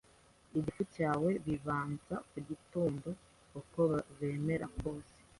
igifu cyawe bibanza kugitonda. Uko byamera kose,